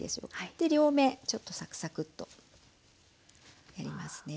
で両面ちょっとサクサクッとやりますね。